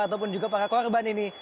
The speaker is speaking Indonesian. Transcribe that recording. ataupun juga para korban ini